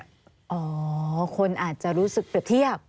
อ๋อคนอาจจะรู้สึกเปรียบเทียบ